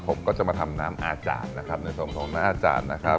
ผมก็จะมาทำน้ำอาจารย์นะครับในส่วนของพระอาจารย์นะครับ